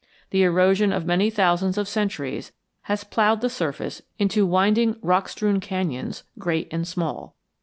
The erosion of many thousands of centuries has ploughed the surface into winding rock strewn canyons, great and small.